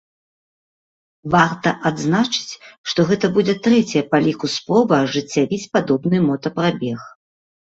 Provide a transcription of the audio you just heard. Варта адзначыць, што гэта будзе трэцяя па ліку спроба ажыццявіць падобны мотапрабег.